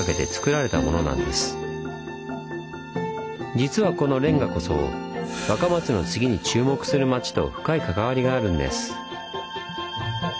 実はこのレンガこそ若松の次に注目する町と深い関わりがあるんです。